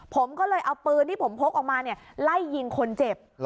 ผมก็เลยเอาปืนที่ผมพกออกมาเนี่ยไล่ยิงคนเจ็บ